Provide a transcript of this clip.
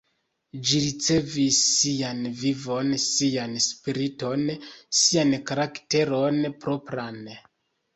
Ĝi ricevis sian vivon, sian spiriton, sian karakteron propran.